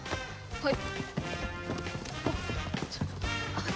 はい！